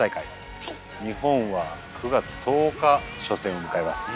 日本は９月１０日初戦を迎えます。